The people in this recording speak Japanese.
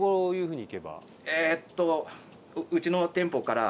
えーっと。